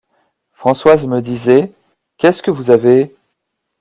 Françoise me disait: — Qu’est-ce que vous avez?